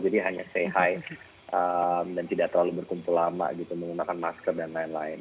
jadi hanya say hi dan tidak terlalu berkumpul lama menggunakan masker dan lain lain